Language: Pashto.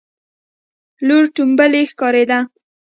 لور ټومبلی ښکارېده.